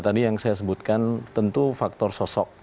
tadi yang saya sebutkan tentu faktor sosok